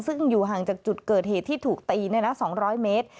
ซึ่งอยู่ห่างจากจุดเกิดเหตุที่ถูกตี๒๐๐เมตร